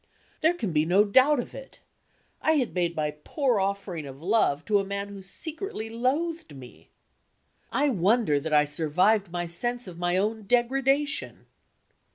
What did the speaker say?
There could be no doubt of it; I had made my poor offering of love to a man who secretly loathed me. I wonder that I survived my sense of my own degradation.